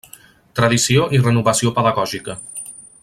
Tradició i renovació pedagògica.